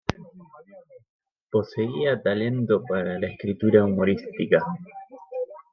Poseía talento para la escritura humorística.